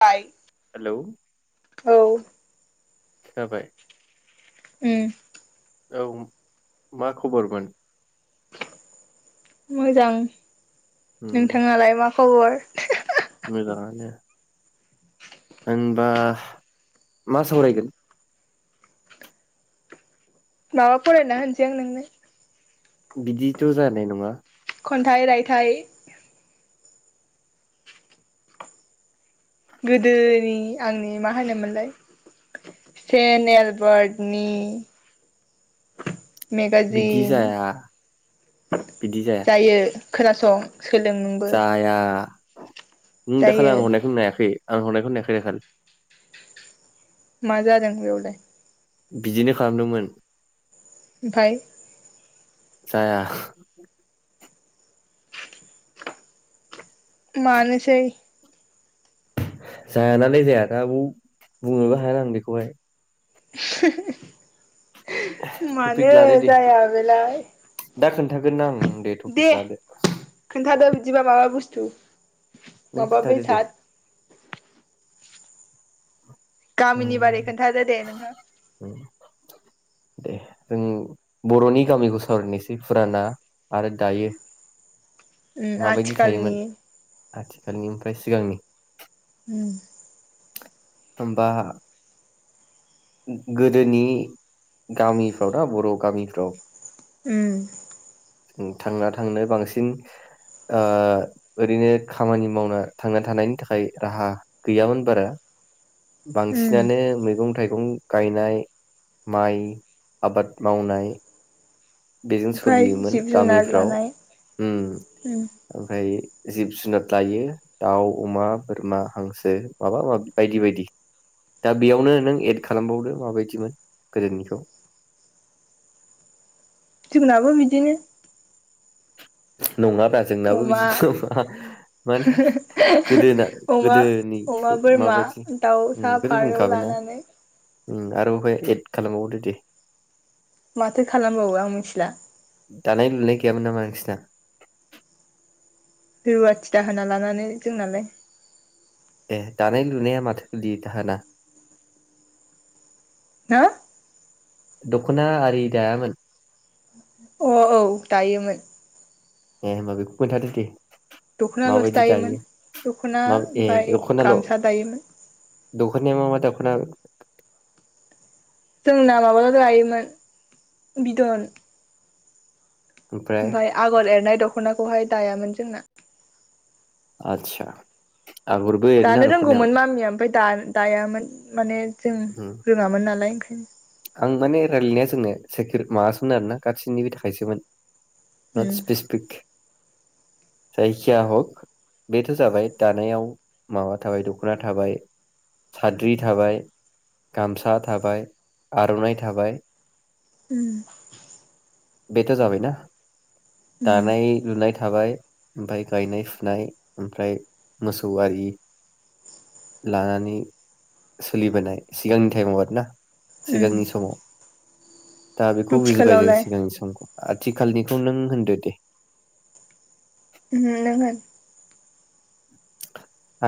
फाय हेलौ औ जाबाय उम औ मा खबरमोन मोजां उम नोंथाङालाय मा खबर? मोजाङानो होनबा मा सावरायगोन माबा फरायना होनसै आं नोंनो बिदिथ जानाय नङा खन्थाइ रायथाइ गोदोनि आंनि मा होनोमोनलाय सेन एलबार्टनि बिदि मेगाजिन जाया बिदि जाया जायो खोनासं सोलों नोंबो जाया नों दाखालि जायो आं हरनायखौ नायाखै आं हरनायखौ नायाखै दखन मा जादों बेआवलाय बिदिनो खालामदोंमोन ओमफाय जाया मानोसै जाया नालाय जाया दा बुंनोबो हाया आं बेखौहाय [unintelligible] मानो टपिक लादो दे जाया बेलाय दा खोन्थागोनना आं दे टपिक लादो। बिबा माबा बस्थु नों माबा खोन्थादो दे बेसाद गामिनि बारै उम खोनथादो दे नोंहा उम दे जों बर'नि गामिखौ सावरायनोसै फुराना आरो दायो उम आथिखालनि आथिखालनि ओमफ्राय सिगांनि उम होमबा गोदोनि गामिफ्राव दा बर' गामिफ्राव ओम उम थांना थांनो बांसिन ओ ओरैनो खामानि मावना थांना थानायनि थाखाय राहा गैयामोन बारा उम बांसिनानो मैगं थाइगं गं गायनाय माइ आबाद मावनाय बेजों ओमफ्राय सोलियोमोन जिब जुनार गामिफ्राव लानाय उम ओमफ्राय जिब जुनार लायो दाउ अमा बोरमा हांसो माबा माबि बायदि बायदि दा बेयावनो नों एद खालामबावदो माबायदिमोन गोदोनिखौ जोंनाबो बिदिनो नङा ब्रा जोंनाबो अमा बिदि नङा माने गोदोना अमा अमा गोदोनिखौ बोरमा माबायदि दाउसा ओम इखौथ' फारौ बुंखाबायना लानानै ओम आरो ओमफाय एद खालामबावदो दे माथो खालामबावो आं मिथिला दानाय लुनाय गैयामोन नामा नोंसिना? रुवाथि दाहोना लानानै जोंनालाय ए दानाय लुनाया माथो गोलैयो दाहोना हा? दखना आरि दायामोन अ औ दायोमोन ए ओमबा बेखौ खोथादो दे दख'नाल'सो माबायदि दायोमोन दायो दख'ना मा ए ओमफ्राय दखनाल' गामसा दायोमोन दखनाया मा मा दखना जोंना माबा दायोमोन बिदन ओमफ्राय आमफाय आगर एरनाय द' खनाखौहाय दायामोन जोंना। आतसा दानो रोंगौमोन मामिया ओमफाय दा-दायामोन माने जों उम रोङामोन नालाय उम आं माने रायलायनाया जोंनो सेकिर माबासोमोन आरोना गाससिनिबो थाखायसोमोन। नर्थ स्पेसिफिक जायखिया हक बेथ‌ जाबाय दानायाव माबा थाबाय दखना थाबाय साद्रि थाबाय गामसा थाबाय आरनाइ थाबाय उम्म बेथ जाबायना। उम दानाय लुनाय थाबाय ओमफ्राय गायनाय फुनाय ओमफ्राय मोसौ आरि लानानै सोलिबोनाय सिगांनि टाइमाव आरो ना। उम सिगांनि समाव । दा बेखौ बुजिबाय जों आथिखालावलाय सिगांनि समखौ । आथिखालनिखौ नों होनदो दे। ओम नों होन।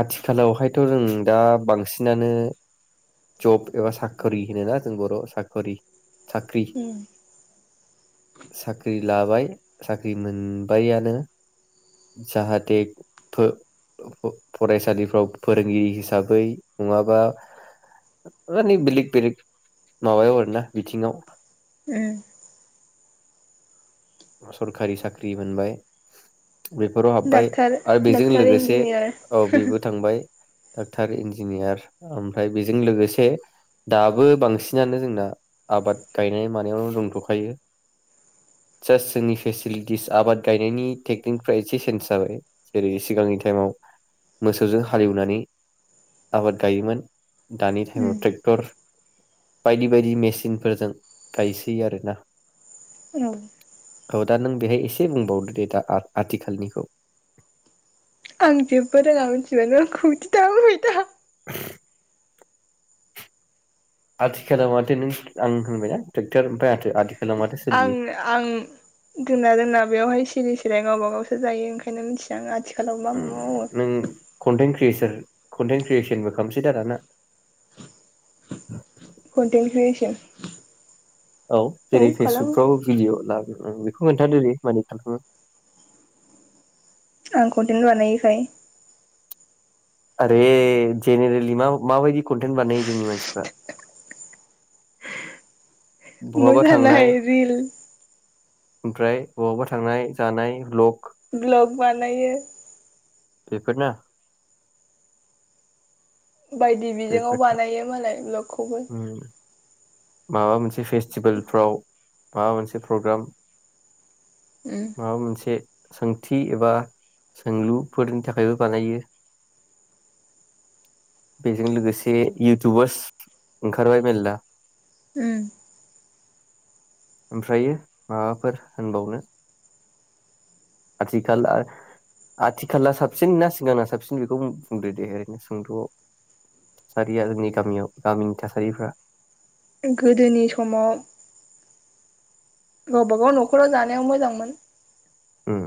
आथिखालावहायथ जों दा बांसिनानो जप एबा साखरि होन ना जों बर साखरी साख्रि उम साख्रि लाबाय साख्रि मोनबायानो जाहाथे फो-फरायसालिफ्राव फोरोंगिरि हिसाबै नङाबा मानि बेलेग बेलेग माबायाव आरोना बिथिङाव । उम सरखारि साख्रि मोनबाय बेफोराव हाबबाय डाक्टार आरो बेजों डाक्टार लोगोसे इन्जिनियार औ बेबो थांबाय। डाक्टार इन्जिनियार ओमफ्राय बेजों लोगोसे दाबो बांसिनानो जोंना आबाद गायनाय मानायावनो दंथखायो। जासट जोंनि फेसिलिटिस आबाद गायनायनि टेकनिकफ्रा एसे सेन्ज जाबाय जेरै सिगांनि टाइमाव मोसौजों हालेवनानै आबाद गायोमोन। दानि टाइमाव उम ट्रेक्टर बायदि बायदि मेचिनफोरजों गायसै आरोना। औ औ दा नों बेहाय एसे बुंबावदो दे दा आथिखालनिखौ। आं जेबो रोङा मिथिबायनो आं खौबिदि दा बुंबायथा । आथिखालाव माथो नों आं होनबायना ट्रेक्टर ओमफ्राय आथो-आथो आं आं दोननादोंना बेवहाय सिरि बिराय गावब गावसो जायो ओंखायनो मिथिआ आथि ओम नों कन्टेन क्रियेस कन्टेन क्रियेसनबो खालामसै दा दाना। Content creation. औ जेरै फेसबुकफ्रावबो भिडिअ ला। बेखौ [unintelligible] आं खनथेन बानायोखाय। आरे जेनेरेलि मा-माबायदि कन्टेन्ट बानायो जोंनि मानसिफ्रा। बहाबा थांनाय मोसानाय रिल। ओमफ्राय बबावबा थांनाय जानाय लक ब्लग बानायो। बेफोर ना बायदि बिजोंङाव बेफोर बानायो मालाय उम। माबा मोनसे फेस्टिभेलफ्राव माबा मोनसे प्रग्राम। उम माबा मोनसे सोंथि एबा सोंलुफोरनि थाखायबो बानायो बेजों लोगोसे इउथुबारस ओंखारबाय मेरला । उम। ओमफ्रायो माबाफोर होनबावनो? आथिखाल आथिखाला साबसिन ना सिगांना साबसिन बेखौ बुंदो दे ओरैनो सोंदआव थासारिया जोंनि गामियाव गामिनि थासारिफ्रा। गोदोनि समाव गावबा गाव नखराव जानायाव मोजांमोन। उम।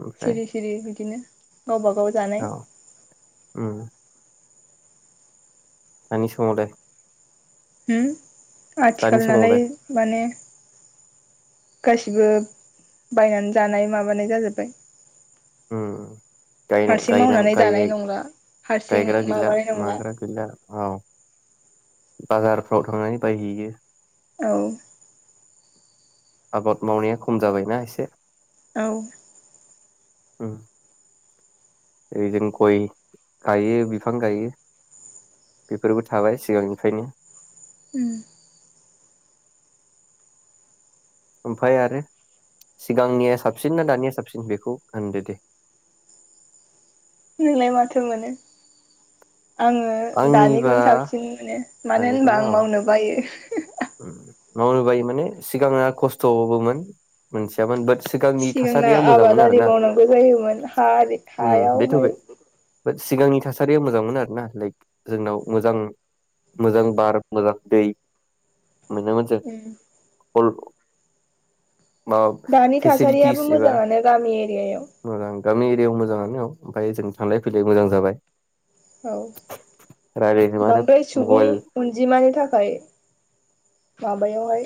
ओमफ्राय सिरि सिरि बिदिनो गावबा गाव जानाय। औ उम दानि समावलाय? होम। दानि आथिखाल नालाय समावलाय माने गासिबो बायनानै जानाय माबानाय जाजोब्बाय। उम [unintelligible] हारसिं मावनानै जानाय नंला हारसिं गायग्रा गैला माबानाय नंला माग्रा गैला औ। बाजारफ्राव थांनानै बायहैयो। औ। आबाद मावनाया खम जाबायना एसे। औ। उम। ओरै जों गय गायो बिफां गायो बेफोरबो थाबाय सिगांनिफ्रायनो। उम। ओमफाय आरो सिगांनिया साबसिन ना दानिया साबसिन बेखौ होनदो दे। नोंलाय माथो मोनो? आङो आंनिबा दानिखौनो साबसिन मोनो मानो होनबा आं मावनो बायो। उम मावनो बायो माने सिगाङा खस्थबोमोन मोनथियाबो मोन सिगांना आबादारि मावनांगौ जायोमोन हाआरि उम बेथ' हायावहाय। बे सिगांनि थासारिया मोजां मोनो आर ना लाइक जोंनाव मोजां मोजां बार मोजां दै। मोनो मोन जों [unintelligible] दानि थासारियाबो फेसिलिटिस एबा मोजाङानो गामि एरियायाव। मोजां गामि एरियायाव मोजाङानो औ ओमफ्राय जों थांलाय फैलाय मोजां जाबाय औ रायज्लायनो मानो बांद्राय सुबुं मबाइल अनजिमानि थाखाय माबायावहाय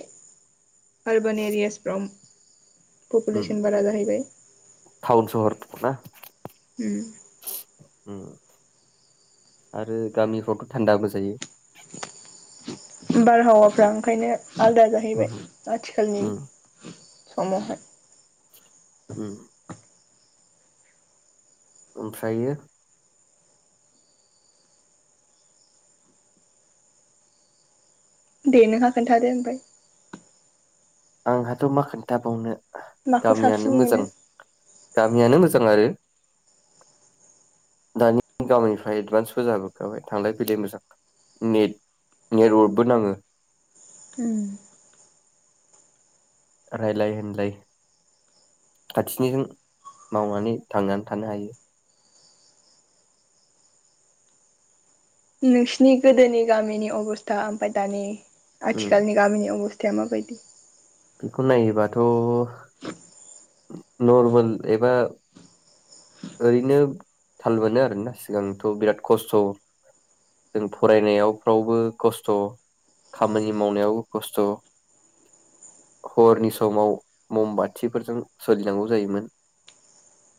urban areas from um population बारा जाहैबाय। टाउन सहर ना आरो गामिफ्रावथ थान्दाबो जायो। बारहावाफ्रा ओंखायनो आलादा जाहैबाय उम आथिखालनि उम समावहाय। उम ओमफ्रायो दे नोंहा खोन्थादो ओमफ्राय आंहाथ मा खोन्थाबावनो माखौ साबसिन गामियानो मोनो मोजां गामियानो मोजां आरो दानि गामिनिफ्राय एदभान्सबो जाबो खाबाय थांलाय फैलाय मोजां नेट नेटवर्कबो नाङो। उम रायलाय होनलाय खाथिनिजों मावनानै दांनानै थानो हायो। नोंसिनि गोदोनि गामिनि अबस्था ओमफ्राय दानि उम आथिखालनि गामिनि अबस थाया मा बायदि? बेखौ नायोबाथ नरमेल एबा ओरैनो थाल मोनो आरोना सिगांथ बिराद खस्थ जों फरायनायावफ्रावबो खस्थ‌ खामानि मावनायावबो खस्थ हरनि समाव मम बाथिफोरजों सोलिनांगौ जायोमोन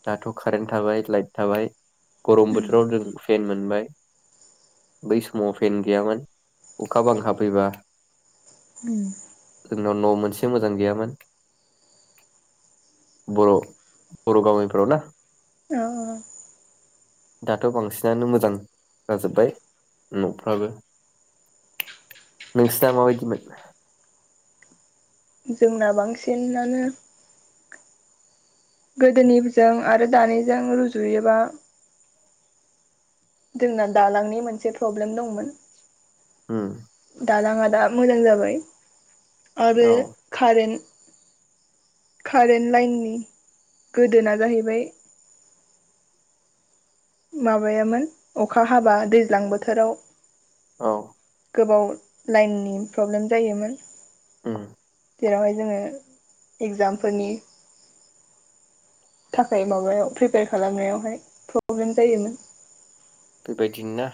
दाथ कारेन्ट थाबाय लाइट थाबाय गरम बोथोराव जों फेन मोनबाय बै समाव फेन गैयामोन अखा बांखा फैबा जोंनाव न' मोनसे मोजां गैयामोन बर' बर' गामिफोराव ना औ औ दाथ बांसिनानो मोजां जाजोब्बाय न'फ्राबो नोंसिना माबायदिमोन जोंना बांसिनानो गोदोनिजों आरो दानिजों रुजुयोबा जोंना दालांनि मोनसे प्रब्लेम दंमोन। उम दालाङा दा मोजां जाबाय। आरो औ खारेन्ट कारेन्ट लाइननि गोदोना जाहैबाय माबायामोन अखा हाबा दैज्लां बोथोराव औ गोबाव लाइननि प्रब्लेम जायोमोन उम जेरावहाय जोङो इगजामफोरनि थाखाय माबायाव प्रिपेयार खालामनायावहाय प्र ब्लेम जायोमोन। बेबायदि नो ना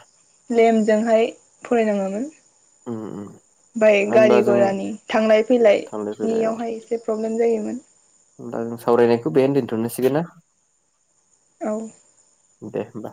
लेमजोंहाय फरायनाङोमोन। उम उम ओमबाय होनबा गारि जों घरानि थांलाय थांलाय फैलायनियावहाय एसे प्रब्लेम जायोमोन। होनबा जों सावरायनायखौ बेहायनो दोनथनिसै ना? औ दे होनबा